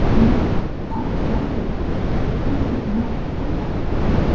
"No, on the contrary, he did not come back.